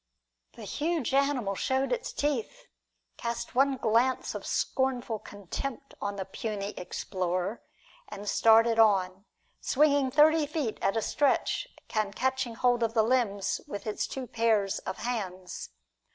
The huge animal showed its teeth, cast one glance of scornful contempt on the puny explorer, and started on, swinging thirty feet at a stretch and catching hold of the limbs with its two pairs of hands.